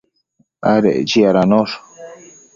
adec chiadanosh